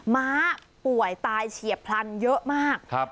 ม้าป่วยตายเฉียบพลันเยอะมาก